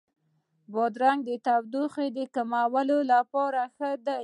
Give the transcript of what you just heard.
بادرنګ د تودوخې د کمولو لپاره ښه دی.